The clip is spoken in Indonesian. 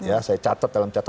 ya saya catat dalam catatan